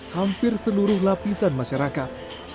hampir seluruh lapisan masyarakat